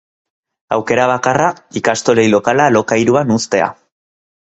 Aukera bakarra, ikastolei lokala alokairuan uztea.